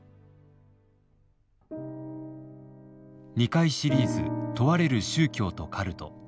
２回シリーズ「問われる宗教と“カルト”」。